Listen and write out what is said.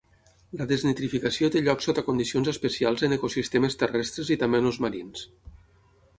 La desnitrificació té lloc sota condicions especials en ecosistemes terrestres i també en els marins.